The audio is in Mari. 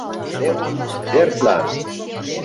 Леон Вертлан